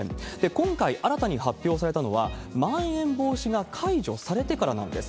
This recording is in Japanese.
今回、新たに発表されたのは、まん延防止が解除されてからなんです。